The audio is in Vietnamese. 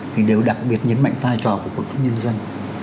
thì đều đặc biệt nhấn mạnh vai trò của quân chúng nhân dân